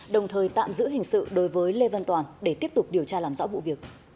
đồng thời tạm giữ hình sự đối với lê vân toàn để tiếp tục điều tra làm rõ vụ việc